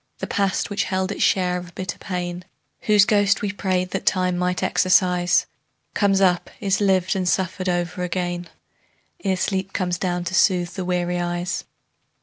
The past which held its share of bitter pain, Whose ghost we prayed that Time might exorcise, Comes up, is lived and suffered o'er again, Ere sleep comes down to soothe the weary eyes.